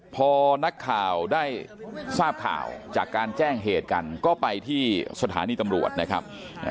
พอนักข่าวได้ทราบข่าวจากการแจ้งเหตุกันก็ไปที่สถานีตำรวจนะครับ